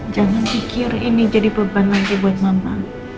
jangan pikir ini jadi beban lagi buat mama